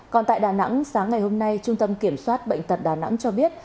còn tại đà nẵng sáng ngày hôm nay trung tâm kiểm soát bệnh tật đà nẵng cho biết